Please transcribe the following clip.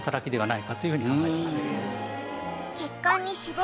はい。